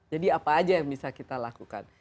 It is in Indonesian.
jadi apa aja yang bisa kita lakukan